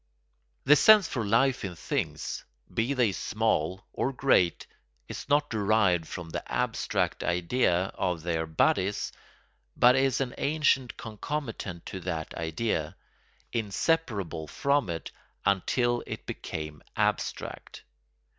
The sense for life in things, be they small or great, is not derived from the abstract idea of their bodies but is an ancient concomitant to that idea, inseparable from it until it became abstract.